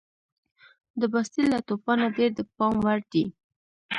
د باسټیل له توپانه ډېر د پام وړ دي.